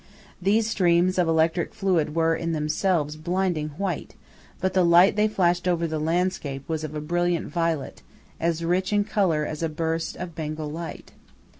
These streams of electric fluid were in themselves blinding white, but the light they flashed over the landscape was of a brilliant violet, as rich in colour as a burst of Bengal light.